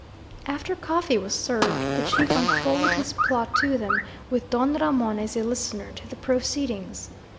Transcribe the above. After coffee was served, the chief unfolded his plot to them, with Don Ramon as a listener to the proceedings.